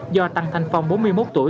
do tăng thanh phong bốn mươi một tuổi